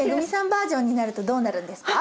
バージョンになるとどうなるんですか？